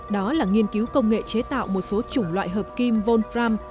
đó là nghiên cứu công nghệ chế tạo một số chủng loại hợp kim von fram